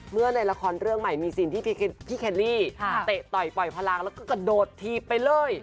ในละครเรื่องใหม่มีซีนที่พี่เคลลี่เตะต่อยปล่อยพลังแล้วก็กระโดดถีบไปเลย